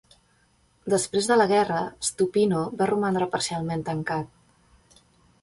Després de la guerra, Stupino va romandre parcialment tancat.